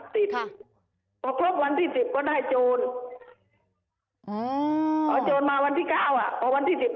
ติดค่ะพอครบวันที่๑๐ก็ได้โจรพอโจรมาวันที่๙อ่ะพอวันที่๑๐